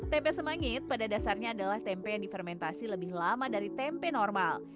tempe semangit pada dasarnya adalah tempe yang difermentasi lebih lama dari tempe normal